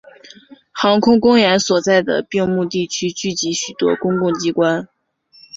航空公园所在的并木地区聚集许多公共机关。